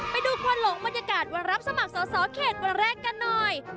ไปดูควันหลงบรรยากาศวันรับสมัครสอสอเขตวันแรกกันหน่อย